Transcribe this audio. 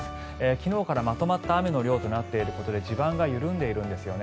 昨日からまとまった雨の量となっていることで地盤が緩んでいるんですよね。